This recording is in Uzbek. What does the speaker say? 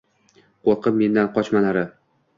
Qo‘rqib mendan qochma nari.